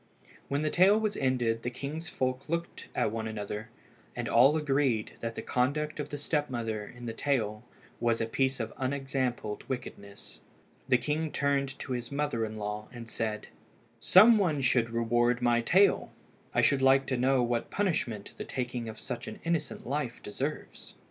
When the tale was ended the king's folk looked at one another, and all agreed that the conduct of the step mother in the tale was a piece of unexampled wickedness. The king turned to his mother in law, and said "Some one should reward my tale. I should like to know what punishment the taking of such an innocent life deserves."